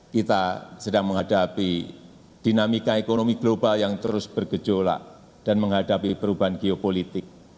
kita sedang menghadapi dinamika ekonomi global yang terus bergejolak dan menghadapi perubahan geopolitik